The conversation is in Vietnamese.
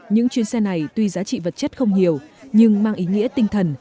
những chuyến xe này tuy giá trị vật chất không nhiều nhưng mang ý nghĩa tinh thần